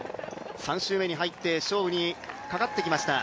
３周目に入って勝負にかかってきました。